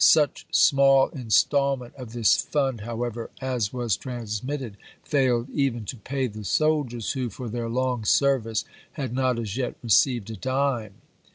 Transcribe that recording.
Such small instalment of this fund, however, as was transmitted, failed vom,° . Dec. 23 even to pay the soldiers who, for their long service, isei. "w. e. had not as yet " received a dime."